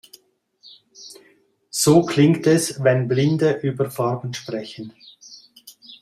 So klingt es, wenn Blinde über Farben sprechen.